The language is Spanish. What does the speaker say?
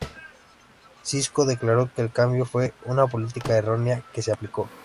Cisco declaró que el cambio fue "una política errónea" que se aplicó.